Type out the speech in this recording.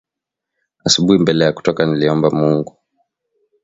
Asubui mbele ya kutoka niliomba Mungu